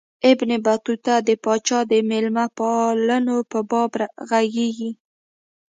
ابن بطوطه د پاچا د مېلمه پالنو په باب ږغیږي.